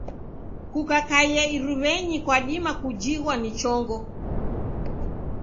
Kukakaia iruw'enyi kwadima kujighwa ni chongo.